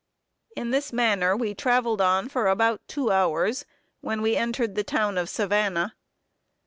In this manner we traveled on for about two hours, when we entered the town of Savannah.